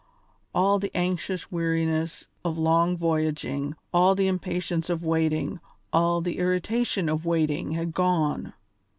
All the anxious weariness of long voyaging, all the impatience of watching, all the irritation of waiting had gone.